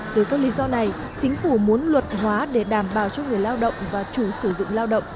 từ các lý do này chính phủ muốn luật hóa để đảm bảo cho người lao động và chủ sử dụng lao động